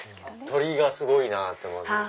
鳥がすごいなって思いまして。